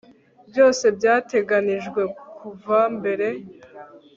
Byose byateganijwe kuva mbere